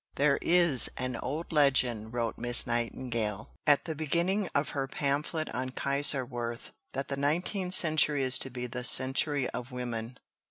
"There is an old legend," wrote Miss Nightingale, at the beginning of her pamphlet on Kaiserswerth, "that the nineteenth century is to be the 'century of women.'"